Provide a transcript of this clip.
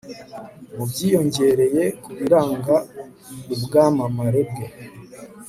mu byiyongereye ku biranga ubwamamare bwe